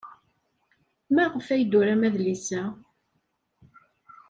Maɣef ay d-turam adlis-a?